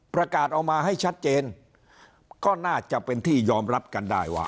ประกาศออกมาให้ชัดเจนก็น่าจะเป็นที่ยอมรับกันได้ว่า